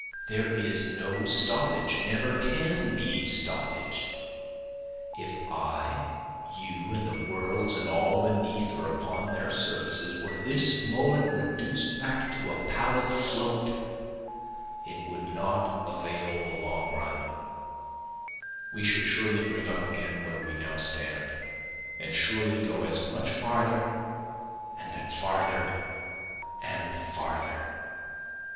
There is no stoppage and never can be stoppage, If I, you, and the worlds, and all beneath or upon their surfaces, were this moment reduced back to a pallid float, it would not avail the long run, We should surely bring up again where we now stand, And surely go as much farther, and then farther and farther.